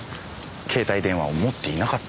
携帯電話を持っていなかったから。